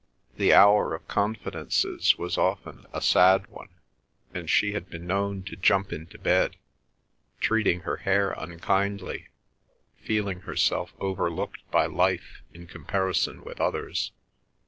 The hour of confidences was often a sad one, and she had been known to jump into bed, treating her hair unkindly, feeling herself overlooked by life in comparison with others.